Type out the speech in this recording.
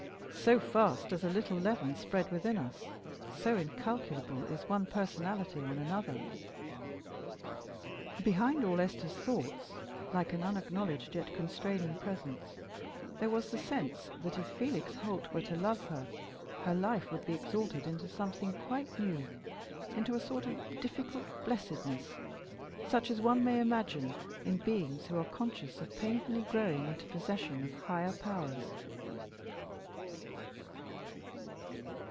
So fast does a little leaven spread within us so incalculable is one personality on another. Behind all Esther's thoughts, like an unacknowledged yet constraining presence, there was the sense, that if Felix Holt were to love her, her life would be exalted into something quite new into a sort of difficult blessedness, such as one may imagine in beings who are conscious of painfully growing into possession of higher powers.